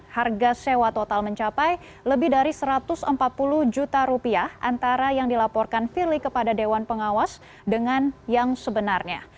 harga sewa total mencapai lebih dari satu ratus empat puluh juta rupiah antara yang dilaporkan firly kepada dewan pengawas dengan yang sebenarnya